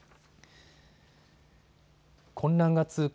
混乱が続く